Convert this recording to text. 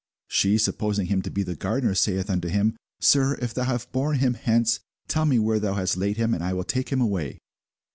She, supposing him to be the gardener, saith unto him, Sir, if thou have borne him hence, tell me where thou hast laid him, and I will take him away.